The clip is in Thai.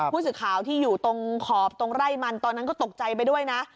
ผู้สื่อข่าวที่อยู่ตรงขอบตรงไร่มันตอนนั้นก็ตกใจไปด้วยนะ